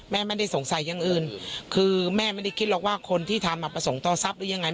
แม่ไม่ได้สงสัยอย่างอื่นคือแม่ไม่ได้คิดหรอกว่าคนที่ทำประสงค์ต่อทรัพย์หรือยังไง